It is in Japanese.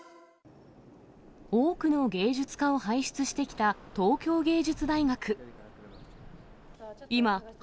多くの芸術家を輩出してきた東京藝術大学。